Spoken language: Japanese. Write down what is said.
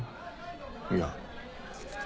いや。